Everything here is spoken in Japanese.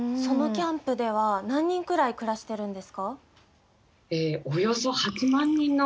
そのキャンプでは何人くらい暮らしてるんですか？